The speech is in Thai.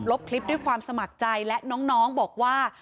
คลิปด้วยความสมัครใจและน้องบอกว่า